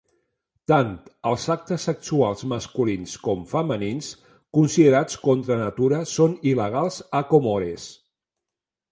Tant els actes sexuals masculins com femenins considerats contra natura són il·legals a Comores.